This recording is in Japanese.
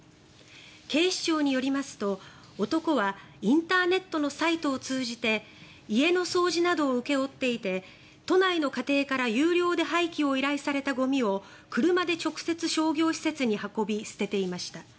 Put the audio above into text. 警視庁によりますと、男はインターネットのサイトを通じて家の掃除などを請け負っていて都内の家庭から有料で廃棄を依頼されたゴミを車で直接、商業施設に運び捨てていました。